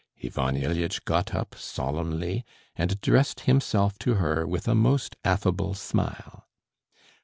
Ivan Ilyitch got up solemnly and addressed himself to her with a most affable smile.